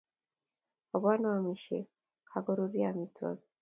Opwan oamisye kakoruryo amitwogik